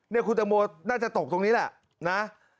นี่คุณตังโมน่าจะตกตรงนี้แหละนะ